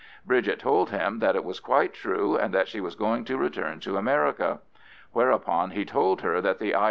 Bridget told him that it was quite true, and that she was going to return to America. Whereupon he told her that the I.